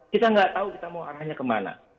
kita tidak tahu kita mau arahnya ke mana